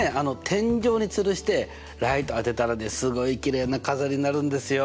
天井につるしてライト当てたらねすごいきれいな飾りになるんですよ。